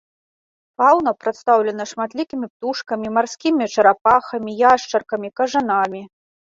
Фаўна прадстаўлена шматлікімі птушкамі, марскімі чарапахамі, яшчаркамі, кажанамі.